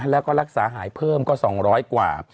แล้วก็รักษาหายเพิ่มก็๒๐๐กว่า